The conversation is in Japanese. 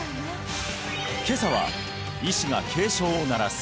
今朝は医師が警鐘を鳴らす！